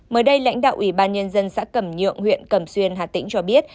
mới đây lãnh đạo ủy ban nhân dân xã cẩm nhượng huyện cẩm xuyên hà tĩnh cho biết